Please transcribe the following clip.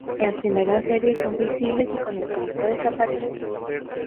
En las primeras series son visibles y con el tiempo desaparecen.